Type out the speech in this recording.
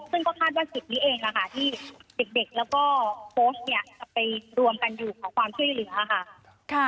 ซึ่งก็คาดว่าคลิปนี้เองนะคะที่เด็กแล้วก็โพสต์เนี่ยจะไปรวมกันอยู่ขอความช่วยเหลือค่ะ